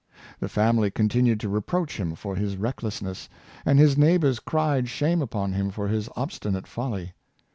The family continued to re proach him for his recklessness, and his neighbors cried shame upon him for his obstinate folly.